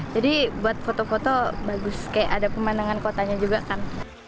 jadi buat foto foto bagus kayak ada pemandangan kotanya juga kan